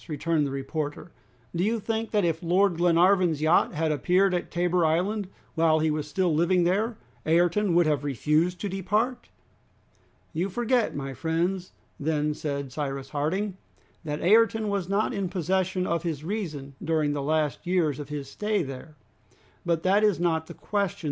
returned the reporter; "do you think that if Lord Glenarvan's yacht had appeared at Tabor Island, while he was still living there, Ayrton would have refused to depart?" "You forget, my friends," then said Cyrus Harding, "that Ayrton was not in possession of his reason during the last years of his stay there. But that is not the question.